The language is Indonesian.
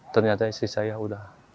ternyata istri saya udah